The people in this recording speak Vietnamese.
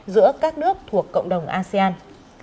giữa các nước thuộc cộng đồng asean